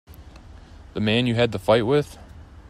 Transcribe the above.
The man you had the fight with.